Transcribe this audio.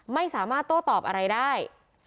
ไม่สามารถโต้ตอบอะไรได้